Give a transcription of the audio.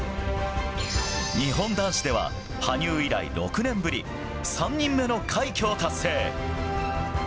日本男子では羽生以来、６年ぶり、３人目の快挙を達成。